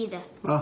あ。